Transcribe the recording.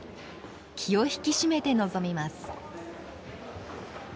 気を引き締めて臨みます。